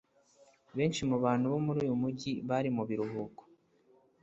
benshi mubantu bo muri uyu mujyi bari mu biruhuko.